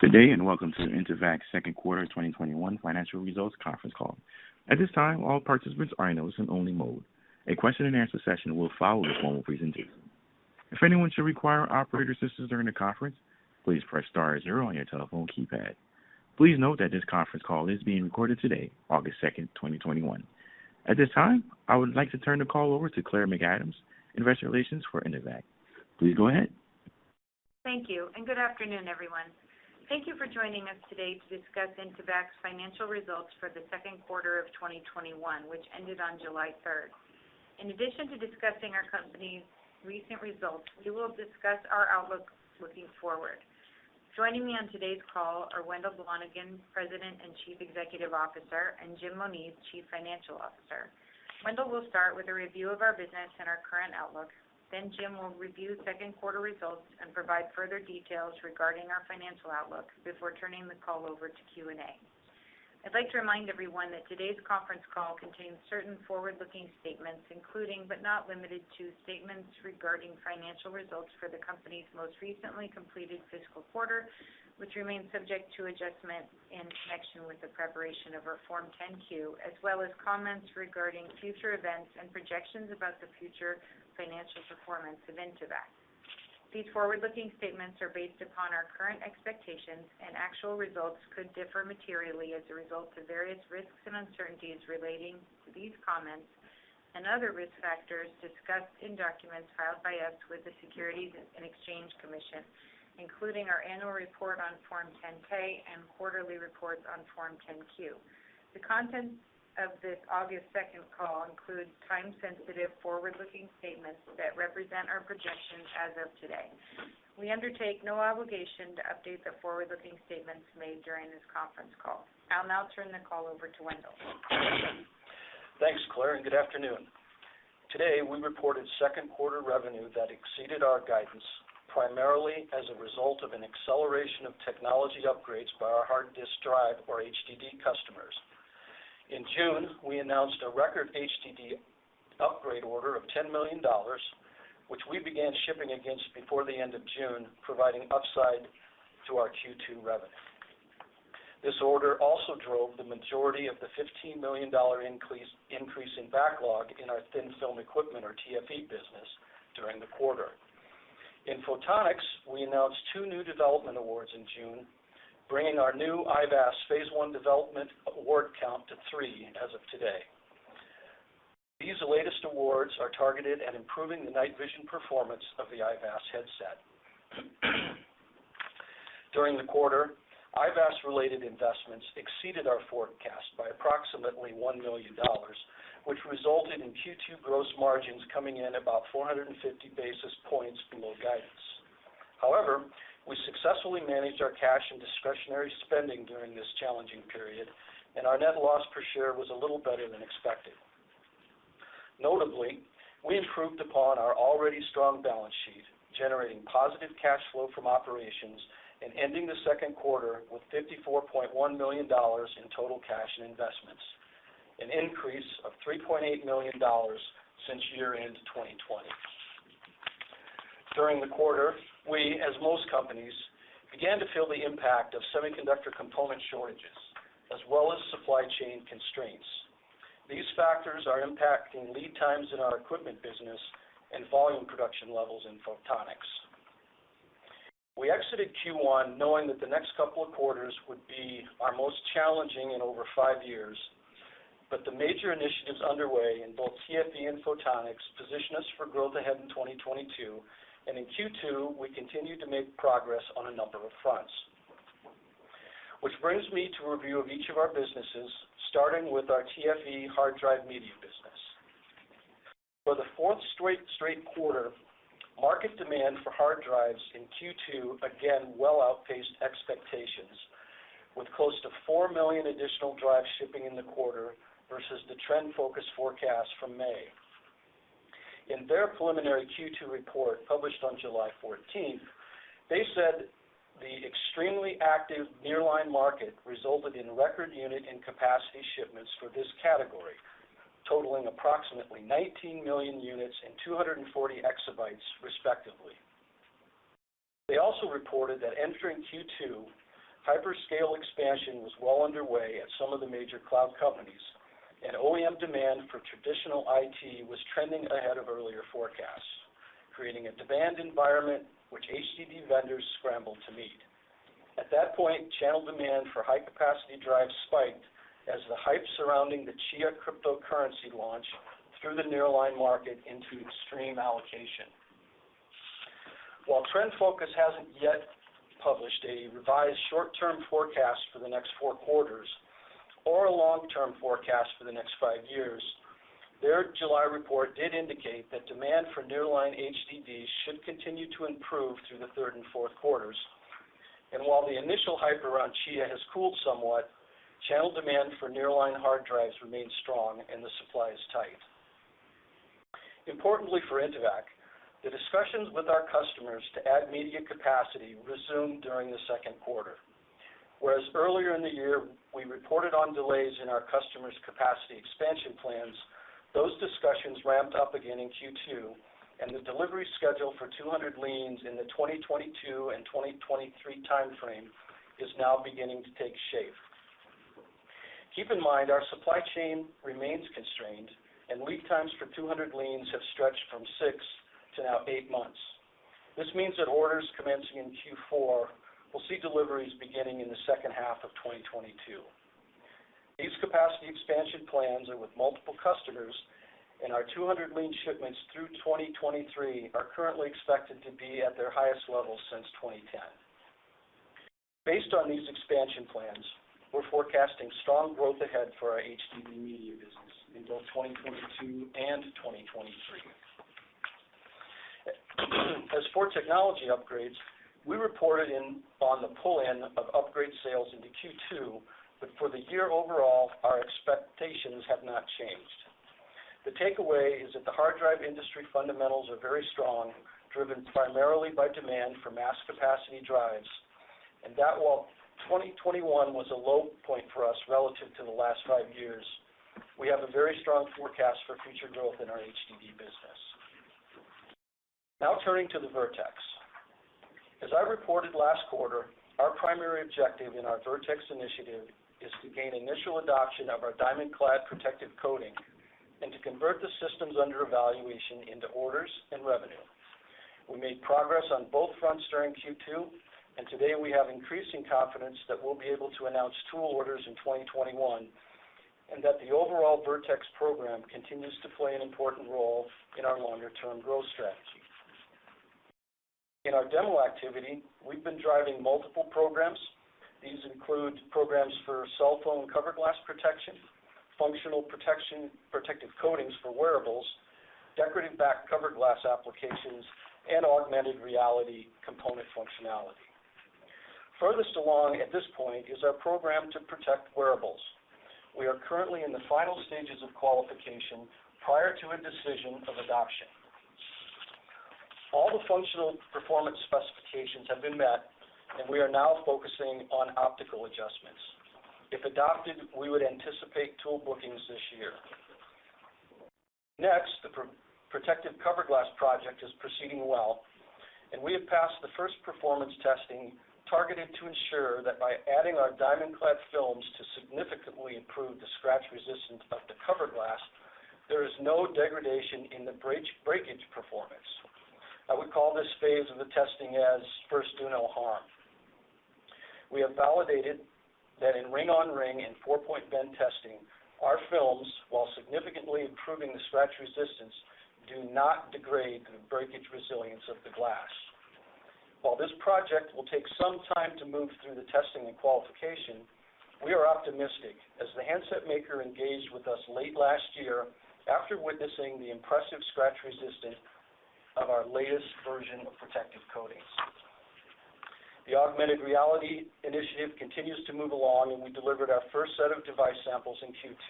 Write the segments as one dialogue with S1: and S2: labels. S1: Good day, and welcome to the Intevac 2nd quarter 2021 financial results conference call. At this time, all participants are in listen-only mode. A question and answer session will follow the formal presentation. If anyone should require operator assistance during the conference, please press star zero on your telephone keypad. Please note that this conference call is being recorded today, August 2nd, 2021. At this time, I would like to turn the call over to Claire McAdams, Investor Relations for Intevac. Please go ahead.
S2: Thank you, and good afternoon, everyone. Thank you for joining us today to discuss Intevac's financial results for the 2nd quarter of 2021, which ended on July 3rd. In addition to discussing our company's recent results, we will discuss our outlook looking forward. Joining me on today's call are Wendell Blonigan, President and Chief Executive Officer, and Jim Moniz, Chief Financial Officer. Wendell will start with a review of our business and our current outlook. Jim will review 2nd quarter results and provide further details regarding our financial outlook before turning the call over to Q&A. I'd like to remind everyone that today's conference call contains certain forward-looking statements, including but not limited to, statements regarding financial results for the company's most recently completed fiscal quarter, which remains subject to adjustment in connection with the preparation of our Form 10-Q, as well as comments regarding future events and projections about the future financial performance of Intevac. These forward-looking statements are based upon our current expectations, and actual results could differ materially as a result of various risks and uncertainties relating to these comments and other risk factors discussed in documents filed by us with the Securities and Exchange Commission, including our annual report on Form 10-K and quarterly reports on Form 10-Q. The content of this August 2nd call includes time-sensitive forward-looking statements that represent our projections as of today. We undertake no obligation to update the forward-looking statements made during this conference call. I'll now turn the call over to Wendell.
S3: Thanks, Claire, and good afternoon. Today, we reported 2nd quarter revenue that exceeded our guidance, primarily as a result of an acceleration of technology upgrades by our hard disk drive or HDD customers. In June, we announced a record HDD upgrade order of $10 million, which we began shipping against before the end of June, providing upside to our Q2 revenue. This order also drove the majority of the $15 million increase in backlog in our thin film equipment, or TFE business, during the quarter. In Photonics, we announced two new development awards in June, bringing our new IVAS Phase 1 development award count to three as of today. These latest awards are targeted at improving the night vision performance of the IVAS headset. During the quarter, IVAS-related investments exceeded our forecast by approximately $1 million, which resulted in Q2 gross margins coming in about 450 basis points below guidance. However, we successfully managed our cash and discretionary spending during this challenging period, and our net loss per share was a little better than expected. Notably, we improved upon our already strong balance sheet, generating positive cash flow from operations and ending the 2nd quarter with $54.1 million in total cash and investments, an increase of $3.8 million since year-end 2020. During the quarter, we, as most companies, began to feel the impact of semiconductor component shortages, as well as supply chain constraints. These factors are impacting lead times in our equipment business and volume production levels in Photonics. We exited Q1 knowing that the next couple of quarters would be our most challenging in over five years, but the major initiatives underway in both TFE and Photonics position us for growth ahead in 2022. In Q2, we continued to make progress on a number of fronts. Which brings me to a review of each of our businesses, starting with our TFE hard drive media business. For the fourth straight quarter, market demand for hard drives in Q2 again well outpaced expectations, with close to 4 million additional drives shipping in the quarter versus the TRENDFOCUS forecast from May. In their preliminary Q2 report published on July 14th, they said the extremely active nearline market resulted in record unit and capacity shipments for this category, totaling approximately 19 million units and 240 exabytes respectively. They also reported that entering Q2, hyperscale expansion was well underway at some of the major cloud companies, and OEM demand for traditional IT was trending ahead of earlier forecasts, creating a demand environment which HDD vendors scrambled to meet. At that point, channel demand for high-capacity drives spiked as the hype surrounding the Chia cryptocurrency launch threw the nearline market into extreme allocation. While TRENDFOCUS hasn't yet published a revised short-term forecast for the next four quarters or a long-term forecast for the next five years, their July report did indicate that demand for nearline HDDs should continue to improve through the 3rd and fourth quarters. While the initial hype around Chia has cooled somewhat, channel demand for nearline hard drives remains strong. The supply is tight. Importantly for Intevac, the discussions with our customers to add media capacity resumed during the 2nd quarter. Whereas earlier in the year, we reported on delays in our customers' capacity expansion plans. Those discussions ramped up again in Q2. The delivery schedule for 200 Lean in the 2022 and 2023 timeframe is now beginning to take shape. Keep in mind, our supply chain remains constrained, and lead times for 200 Lean have stretched from six to now eight months. This means that orders commencing in Q4 will see deliveries beginning in the 2nd half of 2022. These capacity expansion plans are with multiple customers, and our 200 Lean shipments through 2023 are currently expected to be at their highest level since 2010. Based on these expansion plans, we're forecasting strong growth ahead for our HDD media business in both 2022 and 2023. As for technology upgrades, we reported on the pull-in of upgrade sales into Q2, but for the year overall, our expectations have not changed. The takeaway is that the hard drive industry fundamentals are very strong, driven primarily by demand for mass capacity drives, and that while 2021 was a low point for us relative to the last five years, we have a very strong forecast for future growth in our HDD business. Now turning to the Vertex. As I reported last quarter, our primary objective in our Vertex initiative is to gain initial adoption of our DiamondClad protective coating and to convert the systems under evaluation into orders and revenue. We made progress on both fronts during Q2, and today we have increasing confidence that we'll be able to announce tool orders in 2021, and that the overall Vertex program continues to play an important role in our longer-term growth strategy. In our demo activity, we've been driving multiple programs. These include programs for cell phone cover glass protection, functional protective coatings for wearables, decorative back cover glass applications, and augmented reality component functionality. Furthest along at this point is our program to protect wearables. We are currently in the final stages of qualification prior to a decision of adoption. All the functional performance specifications have been met, and we are now focusing on optical adjustments. If adopted, we would anticipate tool bookings this year. Next, the protective cover glass project is proceeding well, and we have passed the 1st performance testing targeted to ensure that by adding our DiamondClad films to significantly improve the scratch resistance of the cover glass, there is no degradation in the breakage performance. I would call this phase of the testing as 1st, do no harm. We have validated that in ring-on-ring and four-point bend testing, our films, while significantly improving the scratch resistance, do not degrade the breakage resilience of the glass. While this project will take some time to move through the testing and qualification, we are optimistic as the handset maker engaged with us late last year after witnessing the impressive scratch resistance of our latest version of protective coatings. The augmented reality initiative continues to move along, and we delivered our first set of device samples in Q2.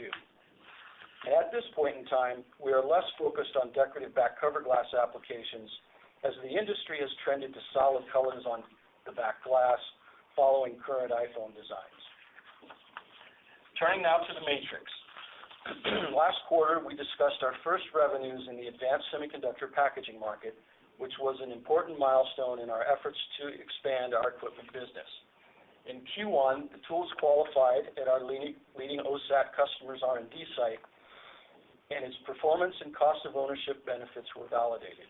S3: At this point in time, we are less focused on decorative back cover glass applications as the industry has trended to solid colors on the back glass following current iPhone designs. Turning now to the MATRIX. Last quarter, we discussed our first revenues in the advanced semiconductor packaging market, which was an important milestone in our efforts to expand our equipment business. In Q1, the tools qualified at our leading OSAT customer's R&D site, and its performance and cost of ownership benefits were validated.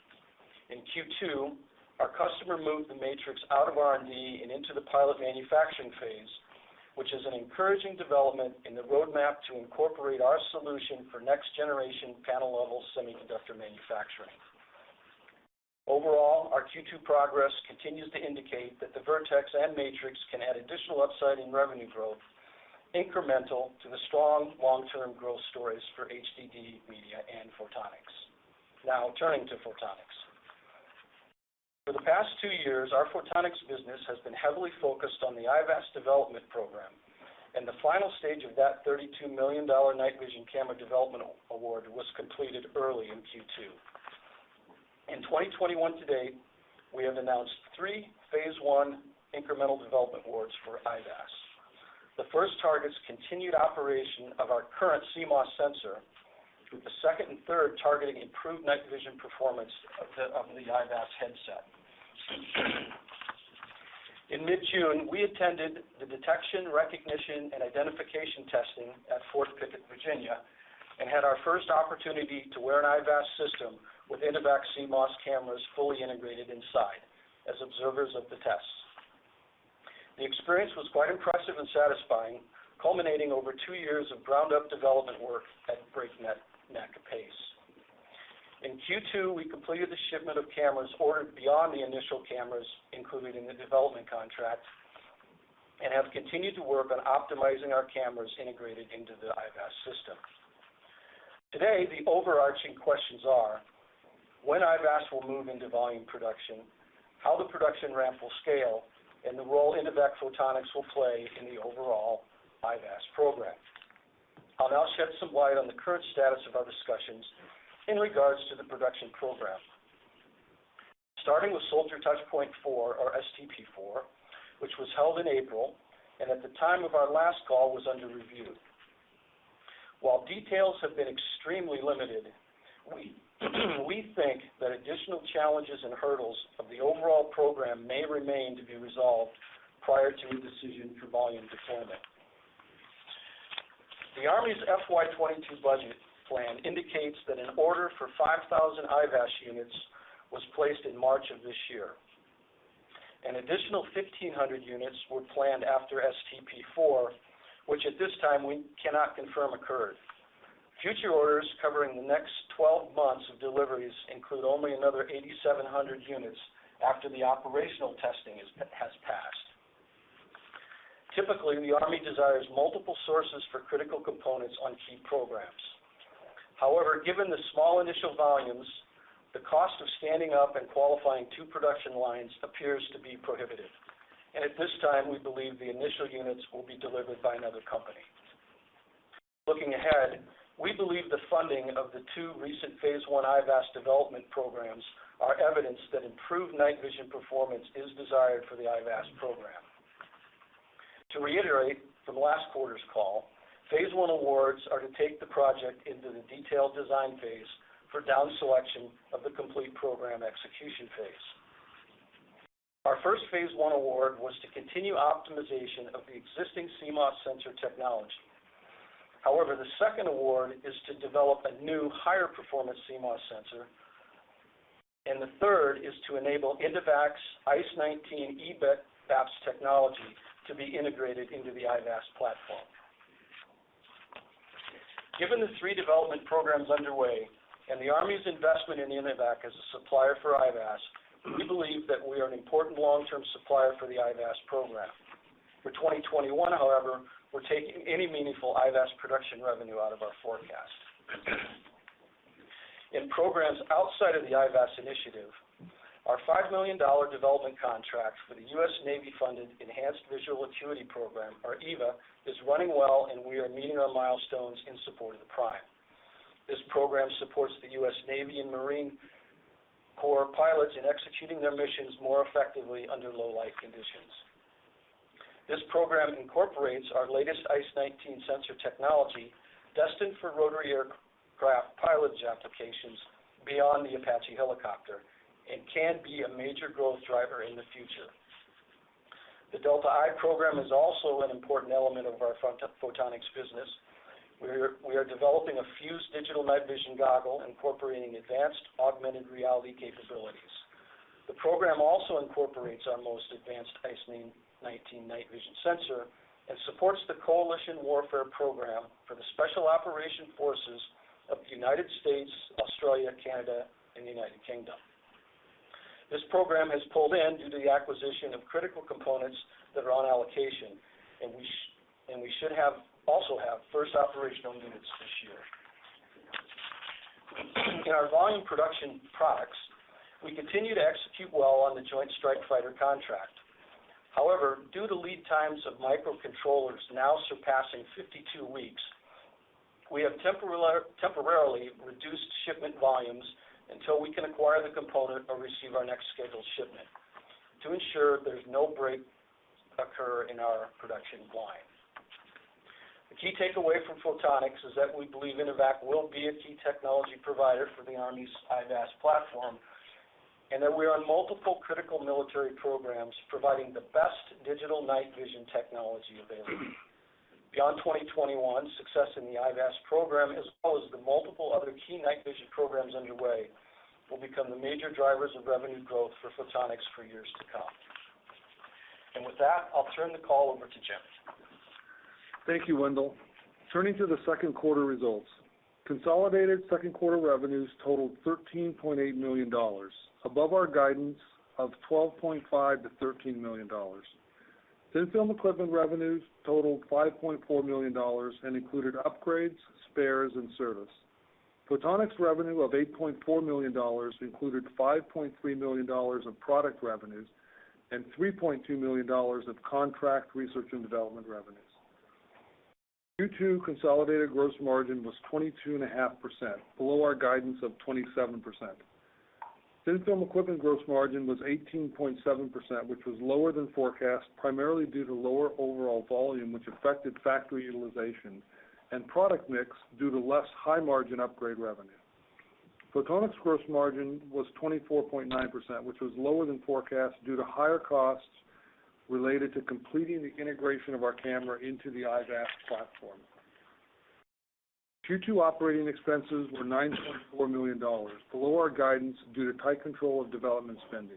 S3: In Q2, our customer moved the MATRIX out of R&D and into the pilot manufacturing phase, which is an encouraging development in the roadmap to incorporate our solution for next-generation panel-level semiconductor manufacturing. Overall, our Q2 progress continues to indicate that the Vertex and MATRIX can add additional upside in revenue growth incremental to the strong long-term growth stories for HDD media and Photonics. Now turning to Photonics. For the past two years, our Photonics business has been heavily focused on the IVAS development program, and the final stage of that $32 million night vision camera development award was completed early in Q2. In 2021 to date, we have announced three Phase 1 incremental development awards for IVAS. The 1st targets continued operation of our current CMOS sensor, with the 2nd and 3rd targeting improved night vision performance of the IVAS headset. In mid-June, we attended the detection, recognition, and identification testing at Fort Pickett, Virginia, and had our 1st opportunity to wear an IVAS system with Intevac CMOS cameras fully integrated inside as observers of the tests. The experience was quite impressive and satisfying, culminating over two years of ground-up development work at breakneck pace. In Q2, we completed the shipment of cameras ordered beyond the initial cameras included in the development contract and have continued to work on optimizing our cameras integrated into the IVAS system. Today, the overarching questions are when IVAS will move into volume production, how the production ramp will scale, and the role Intevac Photonics will play in the overall IVAS program. We shed some light on the current status of our discussions in regards to the production program, starting with Soldier Touch Point 4 or STP 4, which was held in April, and at the time of our last call was under review. While details have been extremely limited, we think that additional challenges and hurdles of the overall program may remain to be resolved prior to a decision for volume deployment. The Army's FY 2022 budget plan indicates that an order for 5,000 IVAS units was placed in March of this year. An additional 1,500 units were planned after STP 4, which at this time we cannot confirm occurred. Future orders covering the next 12 months of deliveries include only another 8,700 units after the operational testing has passed. Typically, the Army desires multiple sources for critical components on key programs. Given the small initial volumes, the cost of standing up and qualifying two production lines appears to be prohibitive, and at this time, we believe the initial units will be delivered by another company. Looking ahead, we believe the funding of the two recent phase I IVAS development programs are evidence that improved night vision performance is desired for the IVAS program. To reiterate from last quarter's call, Phase 1 awards are to take the project into the detailed design phase for down selection of the complete program execution phase. Our 1st Phase 1 award was to continue optimization of the existing CMOS sensor technology. However, the 2nd award is to develop a new higher performance CMOS sensor, and the 3rd is to enable Intevac's ISIE19 EBAPS technology to be integrated into the IVAS platform. Given the three development programs underway and the Army's investment in Intevac as a supplier for IVAS, we believe that we are an important long-term supplier for the IVAS program. For 2021, however, we're taking any meaningful IVAS production revenue out of our forecast. In programs outside of the IVAS initiative, our $5 million development contract for the U.S. Navy-funded Enhanced Visual Acuity program, or EVA, is running well, and we are meeting our milestones in support of the prime. This program supports the U.S. Navy and Marine Corps pilots in executing their missions more effectively under low light conditions. This program incorporates our latest ISIE19 sensor technology destined for rotary aircraft pilots applications beyond the Apache helicopter and can be a major growth driver in the future. The Delta-I program is also an important element of our Photonics business, where we are developing a fused digital night vision goggle incorporating advanced augmented reality capabilities. The program also incorporates our most advanced ISIE19 night vision sensor and supports the Coalition Warfare program for the special operation forces of the United States, Australia, Canada, and the United Kingdom. This program has pulled in due to the acquisition of critical components that are on allocation, and we should also have 1st operational units this year. In our volume production products, we continue to execute well on the Joint Strike Fighter contract. However, due to lead times of microcontrollers now surpassing 52 weeks, we have temporarily reduced shipment volumes until we can acquire the component or receive our next scheduled shipment to ensure there's no break occur in our production line. The key takeaway from Photonics is that we believe Intevac will be a key technology provider for the U.S. Army's IVAS platform, and that we are on multiple critical military programs providing the best digital night vision technology available. Beyond 2021, success in the IVAS program, as well as the multiple other key night vision programs underway, will become the major drivers of revenue growth for Photonics for years to come. With that, I'll turn the call over to Jim.
S4: Thank you, Wendell. Turning to the 2nd quarter results. Consolidated 2nd quarter revenues totaled $13.8 million, above our guidance of $12.5 million-$13 million. Thin Film Equipment revenues totaled $5.4 million and included upgrades, spares, and service. Photonics revenue of $8.4 million included $5.3 million of product revenues and $3.2 million of contract research and development revenues. Q2 consolidated gross margin was 22.5%, below our guidance of 27%. Thin Film Equipment gross margin was 18.7%, which was lower than forecast, primarily due to lower overall volume, which affected factory utilization and product mix due to less high margin upgrade revenue. Photonics gross margin was 24.9%, which was lower than forecast due to higher costs related to completing the integration of our camera into the IVAS platform. Q2 operating expenses were $9.4 million, below our guidance due to tight control of development spending.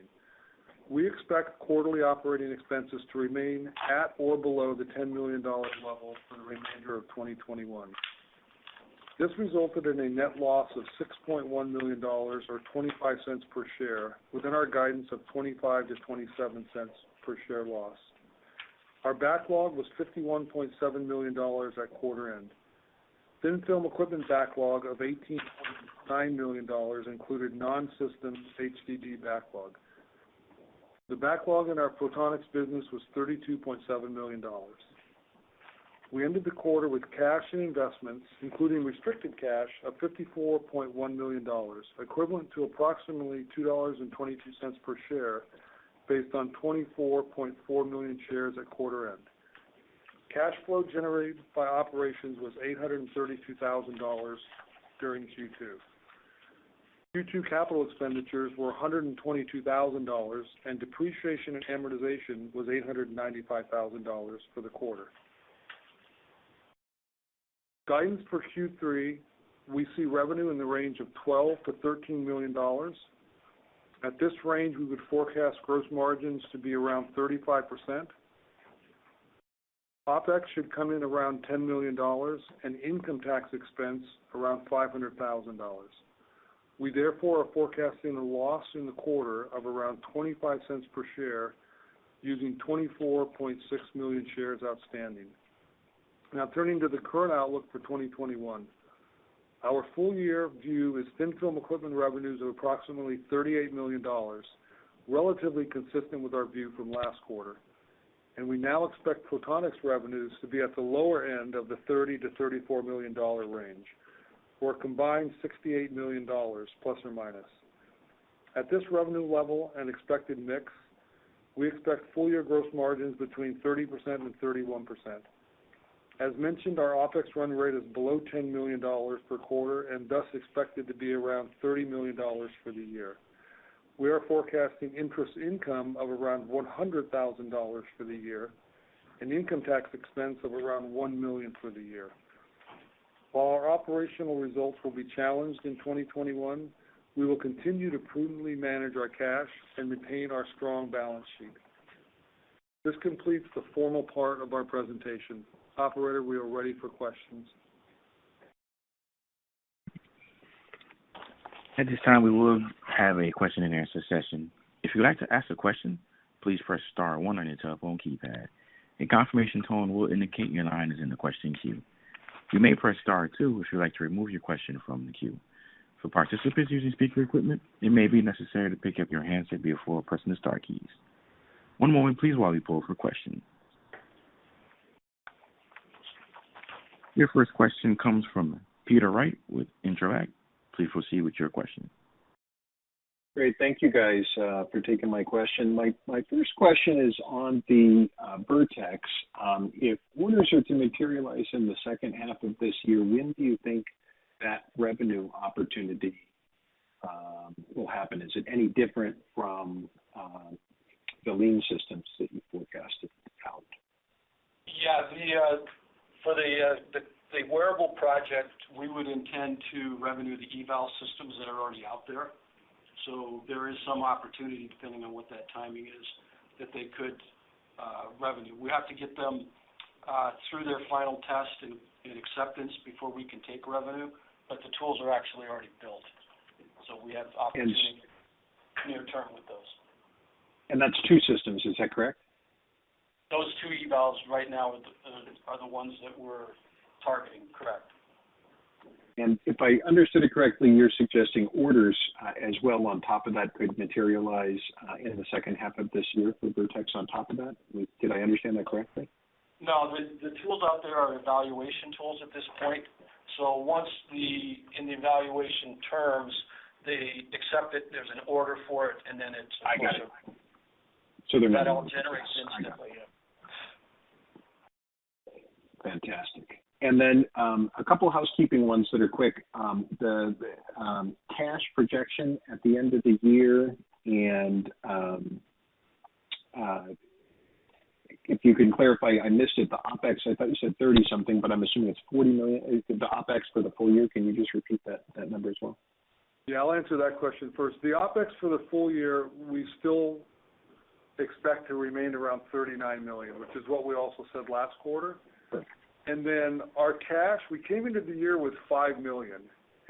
S4: We expect quarterly operating expenses to remain at or below the $10 million level for the remainder of 2021. This resulted in a net loss of $6.1 million, or $0.25 per share, within our guidance of $0.25-$0.27 per share loss. Our backlog was $51.7 million at quarter end. Thin Film Equipment backlog of $18.9 million included non-systems HDD backlog. The backlog in our Photonics business was $32.7 million. We ended the quarter with cash and investments, including restricted cash, of $54.1 million, equivalent to approximately $2.22 per share, based on 24.4 million shares at quarter end. Cash flow generated by operations was $832,000 during Q2. Q2 capital expenditures were $122,000, and depreciation and amortization was $895,000 for the quarter. Guidance for Q3, we see revenue in the range of $12 million-$13 million. At this range, we would forecast gross margins to be around 35%. OpEx should come in around $10 million. Income tax expense around $500,000. We therefore are forecasting a loss in the quarter of around $0.25 per share, using 24.6 million shares outstanding. Now turning to the current outlook for 2021. Our full-year view is thin-film equipment revenues of approximately $38 million, relatively consistent with our view from last quarter. We now expect Photonics revenues to be at the lower end of the $30 million-$34 million range, for a combined ±$68 million. At this revenue level and expected mix, we expect full-year gross margins between 30% and 31%. As mentioned, our OpEx run rate is below $10 million per quarter, and thus expected to be around $30 million for the year. We are forecasting interest income of around $100,000 for the year, and income tax expense of around $1 million for the year. While our operational results will be challenged in 2021, we will continue to prudently manage our cash and retain our strong balance sheet. This completes the formal part of our presentation. Operator, we are ready for questions.
S1: At this time, we will have a question and answer session. If you'd like to ask a question, please press star one on your telephone keypad. A confirmation tone will indicate your line is in the question queue. You may press star two if you'd like to remove your question from the queue. For participants using speaker equipment, it may be necessary to pick up your handset before pressing the star key. One moment, please, while we poll for questions. Your 1st question comes from Peter Wright with Intro-act. Please proceed with your question.
S5: Great. Thank you guys for taking my question. My 1st question is on the Vertex. If orders are to materialize in the 2nd half of this year, when do you think that revenue opportunity will happen? Is it any different from the Lean systems that you forecasted out?
S3: For the wearable project, we would intend to revenue the eval systems that are already out there. There is some opportunity, depending on what that timing is, that they could revenue. We have to get them through their final test and acceptance before we can take revenue. The tools are actually already built. We have opportunity near-term with those.
S5: That's two systems, is that correct?
S3: Those two evals right now are the ones that we're targeting, correct.
S5: If I understood it correctly, you're suggesting orders as well on top of that could materialize in the 2nd half of this year for Vertex on top of that? Did I understand that correctly?
S3: No, the tools out there are evaluation tools at this point. Once in the evaluation terms, they accept it, there's an order for it, and then.
S5: I got it.
S3: That all generates instantly, yeah.
S5: Fantastic. Then, a couple of housekeeping ones that are quick. The cash projection at the end of the year and if you can clarify, I missed it, the OpEx, I thought you said 30 something, but I'm assuming it's $40 million. The OpEx for the full year, can you just repeat that number as well?
S4: Yeah, I'll answer that question first. The OpEx for the full year, we still expect to remain around $39 million, which is what we also said last quarter.
S5: Perfect.
S4: Our cash, we came into the year with $5 million,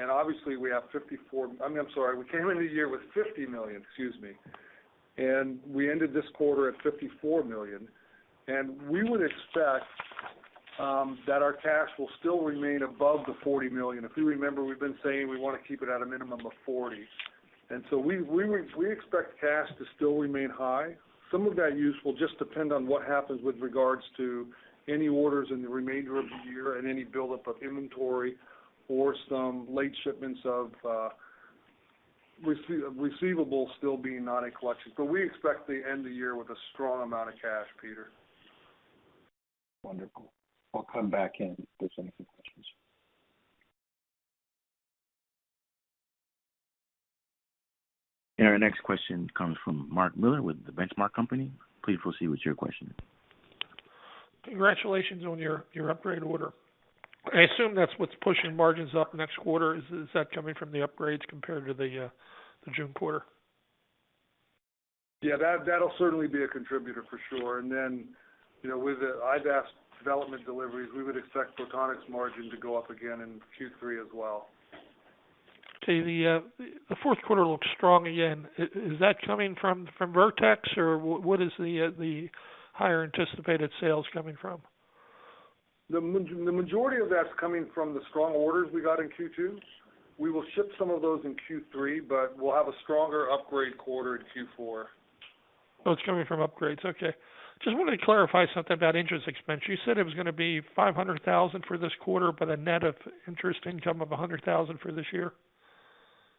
S4: obviously we have $54 million I'm sorry, we came into the year with $50 million, excuse me. We ended this quarter at $54 million. We would expect that our cash will still remain above the $40 million. If you remember, we've been saying we want to keep it at a minimum of $40 million. We expect cash to still remain high. Some of that use will just depend on what happens with regards to any orders in the remainder of the year and any buildup of inventory or some late shipments of receivables still being not in collection. We expect to end the year with a strong amount of cash, Peter.
S5: Wonderful. I'll come back in if there's any more questions.
S1: Our next question comes from Mark Miller with The Benchmark Company. Please proceed with your question.
S6: Congratulations on your upgrade order. I assume that's what's pushing margins up next quarter. Is that coming from the upgrades compared to the June quarter?
S4: Yeah, that'll certainly be a contributor for sure. With the IVAS development deliveries, we would expect Photonics margin to go up again in Q3 as well.
S6: Okay. The fourth quarter looks strong again. Is that coming from Vertex, or what is the higher anticipated sales coming from?
S4: The majority of that's coming from the strong orders we got in Q2. We will ship some of those in Q3, but we'll have a stronger upgrade quarter in Q4.
S6: Oh, it's coming from upgrades. Okay. Just wanted to clarify something about interest expense. You said it was going to be $500,000 for this quarter, but a net of interest income of $100,000 for this year?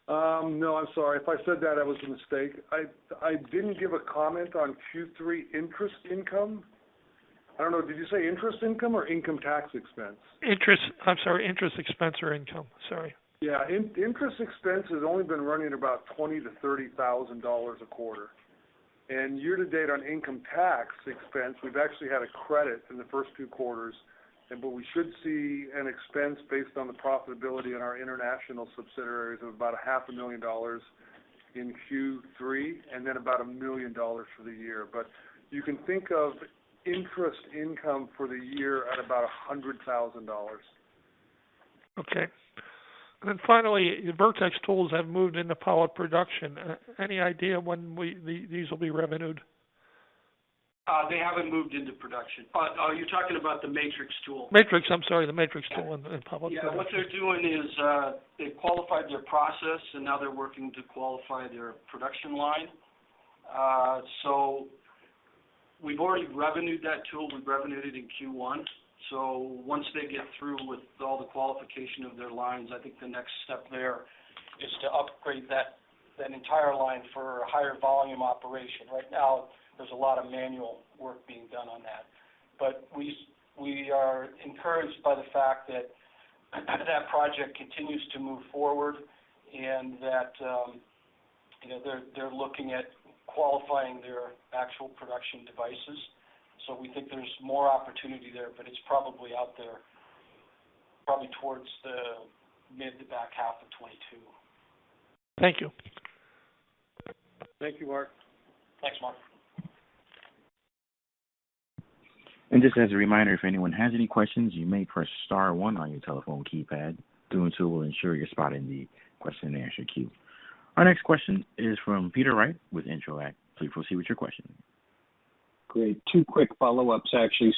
S4: No, I'm sorry. If I said that was a mistake. I didn't give a comment on Q3 interest income. I don't know, did you say interest income or income tax expense?
S6: I'm sorry, interest expense or income. Sorry.
S4: Yeah. Interest expense has only been running about $20,000-$30,000 a quarter. Year-to-date on income tax expense, we've actually had a credit in the 1st two quarters. We should see an expense based on the profitability in our international subsidiaries of about a half a million dollars in Q3, and then about $1 million for the year. You can think of interest income for the year at about $100,000.
S6: Okay. Finally, Vertex tools have moved into pilot production. Any idea when these will be revenued?
S3: They haven't moved into production. Are you talking about the MATRIX tool?
S6: MATRIX, I'm sorry, the MATRIX tool in public.
S3: Yeah. What they're doing is, they've qualified their process, now they're working to qualify their production line. We've already revenued that tool. We revenued it in Q1. Once they get through with all the qualification of their lines, I think the next step there is to upgrade that entire line for a higher volume operation. Right now, there's a lot of manual work being done on that. We are encouraged by the fact that that project continues to move forward and that they're looking at qualifying their actual production devices. We think there's more opportunity there, it's probably out there probably towards the mid to back half of 2022.
S6: Thank you.
S4: Thank you, Mark.
S3: Thanks, Mark.
S1: Just as a reminder, if anyone has any questions, you may press star one on your telephone keypad. Doing so will ensure your spot in the question and answer queue. Our next question is from Peter Wright with Intevac. Please proceed with your question.
S5: Great. Two quick follow-ups, actually.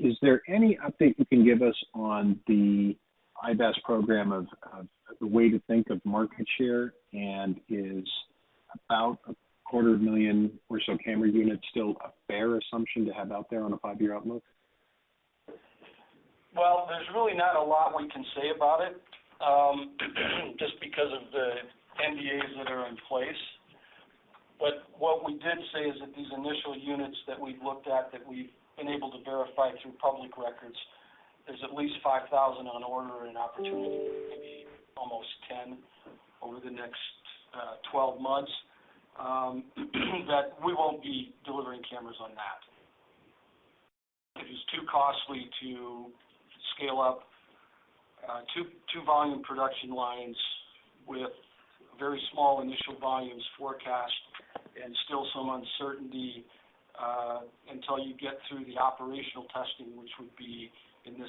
S5: Is there any update you can give us on the IVAS program of the way to think of market share, and is about a quarter of million or so camera units still a fair assumption to have out there on a five-year outlook?
S3: Well, there's really not a lot we can say about it, just because of the NDAs that are in place. What we did say is that these initial units that we've looked at, that we've been able to verify through public records, there's at least 5,000 on order and opportunity, maybe almost 10 over the next 12 months, that we won't be delivering cameras on that. It is too costly to scale up two volume production lines with very small initial volumes forecast and still some uncertainty, until you get through the operational testing, which would be in the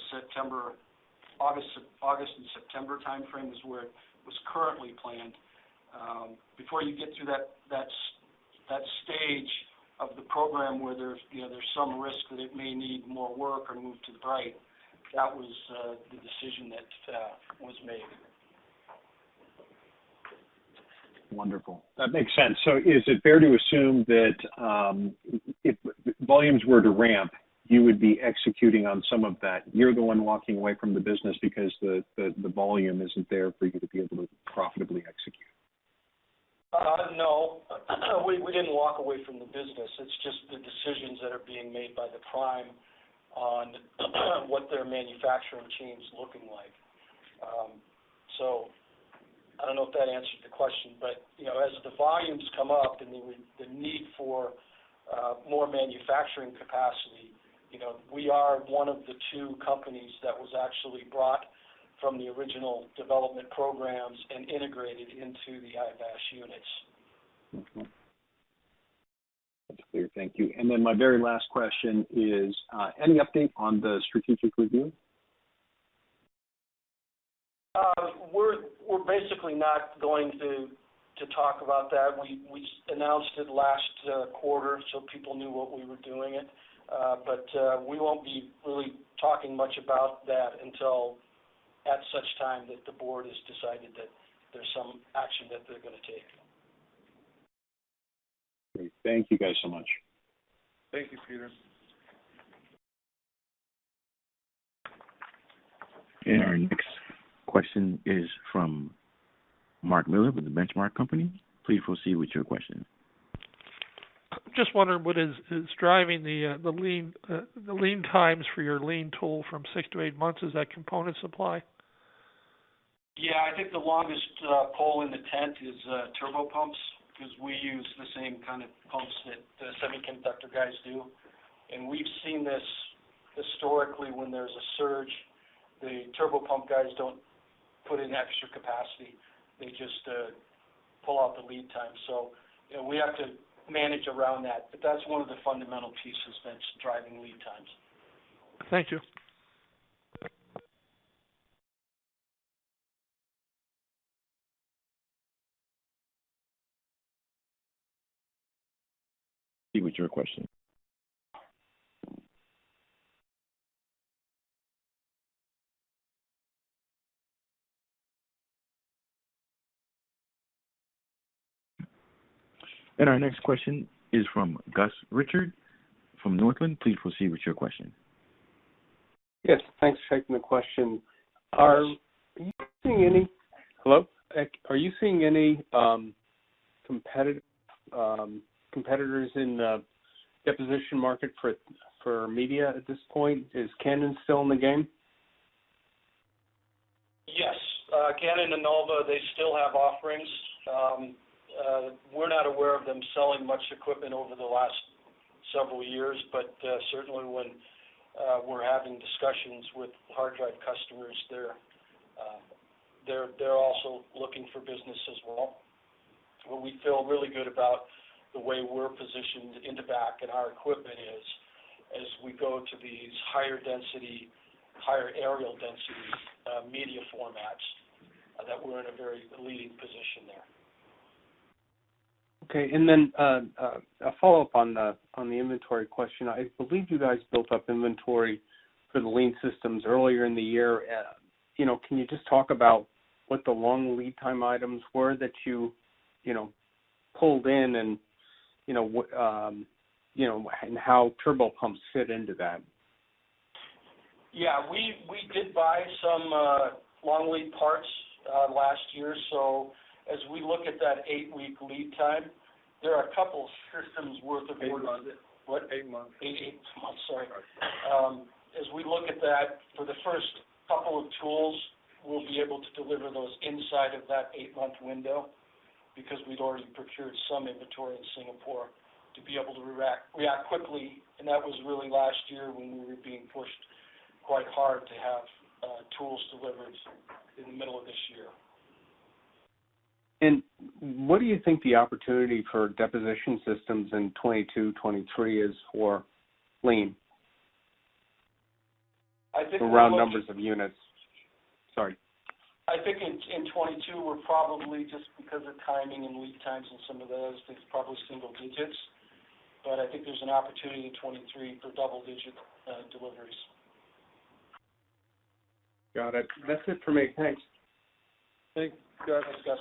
S3: August and September timeframe is where it was currently planned. Before you get through that stage of the program where there's some risk that it may need more work or move to the right. That was the decision that was made.
S5: Wonderful. That makes sense. Is it fair to assume that, if volumes were to ramp, you would be executing on some of that? You're the one walking away from the business because the volume isn't there for you to be able to profitably execute?
S3: No, we didn't walk away from the business. It's just the decisions that are being made by the prime on what their manufacturing chain's looking like. I don't know if that answered the question, but as the volumes come up, the need for more manufacturing capacity. We are one of the two companies that was actually brought from the original development programs and integrated into the IVAS units.
S5: Okay. That's clear. Thank you. My very last question is, any update on the strategic review?
S3: We're basically not going to talk about that. We announced it last quarter, so people knew what we were doing it. We won't be really talking much about that until at such time that the board has decided that there's some action that they're going to take.
S5: Great. Thank you guys so much.
S4: Thank you, Peter.
S1: Our next question is from Mark Miller with The Benchmark Company. Please proceed with your question.
S6: Just wondering what is driving the lead times for your Lean tool from six-eight months? Is that component supply?
S3: Yeah. I think the longest pole in the tent is turbo pumps because we use the same kind of pumps that the semiconductor guys do. We've seen this historically when there's a surge. The turbo pump guys don't put in extra capacity. They just pull out the lead time. We have to manage around that. That's one of the fundamental pieces that's driving lead times.
S6: Thank you.
S1: Proceed with your question. Our next question is from Gus Richard from Northland. Please proceed with your question.
S7: Yes, thanks for taking the question.
S3: Yes.
S7: Are you seeing any competitors in the deposition market for media at this point? Is Canon still in the game?
S3: Yes. Canon Anelva, they still have offerings. We're not aware of them selling much equipment over the last several years. Certainly when we're having discussions with hard drive customers, they're also looking for business as well. We feel really good about the way we're positioned, Intevac and our equipment is, as we go to these higher areal density media formats, that we're in a very leading position there.
S7: Okay, a follow-up on the inventory question. I believe you guys built up inventory for the Lean systems earlier in the year. Can you just talk about what the long lead time items were that you pulled in and how turbo pumps fit into that?
S3: Yeah, we did buy some long lead parts last year. As we look at that eight-week lead time, there are a couple systems worth.
S7: Eight months.
S3: What?
S7: Eight months.
S3: Eight months, sorry. As we look at that, for the first couple of tools, we'll be able to deliver those inside of that eight-month window because we'd already procured some inventory in Singapore to be able to react quickly. That was really last year when we were being pushed quite hard to have tools delivered in the middle of this year.
S7: What do you think the opportunity for deposition systems in 2022, 2023 is for Lean?
S3: I think-
S7: The round numbers of units. Sorry.
S3: I think in 2022, we're probably, just because of timing and lead times and some of those things, probably single digits. I think there's an opportunity in 2023 for double-digit deliveries.
S7: Got it. That's it for me. Thanks.
S4: Thanks, Gus.
S3: Thanks, Gus.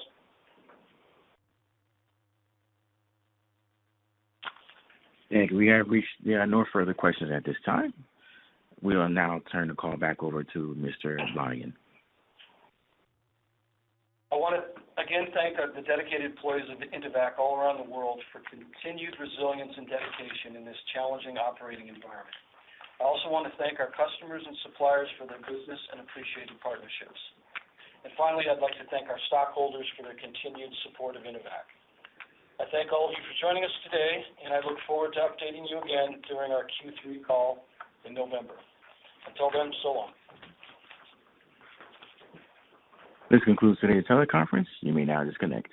S1: Thank you. There are no further questions at this time. We will now turn the call back over to Mr. Blonigan.
S3: I want to again thank the dedicated employees of Intevac all around the world for continued resilience and dedication in this challenging operating environment. I also want to thank our customers and suppliers for their business and appreciated partnerships. Finally, I'd like to thank our stockholders for their continued support of Intevac. I thank all of you for joining us today, and I look forward to updating you again during our Q3 call in November. Until then, so long.
S1: This concludes today's teleconference. You may now disconnect.